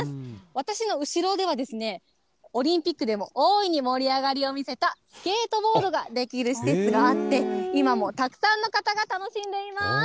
私の後ろでは、オリンピックでも大いに盛り上がりを見せた、スケートボードができる施設があって、今もたくさんの方が楽しんでいます。